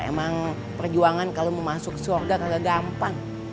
emang perjuangan kalau mau masuk ke syurga kagak gampang